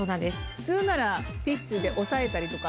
普通ならティッシュで押さえたりとかあるでしょ。